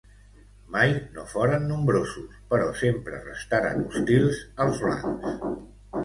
Mai no foren nombrosos, però sempre restaren hostils als blancs.